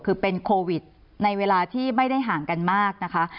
คือเป็นโควิดในเวลาที่ไม่ได้ห่างกันมากนะคะ